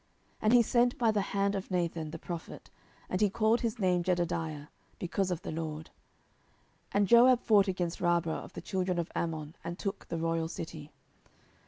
10:012:025 And he sent by the hand of Nathan the prophet; and he called his name Jedidiah, because of the LORD. 10:012:026 And Joab fought against Rabbah of the children of Ammon, and took the royal city.